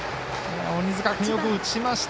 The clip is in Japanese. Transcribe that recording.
鬼塚君よく打ちました。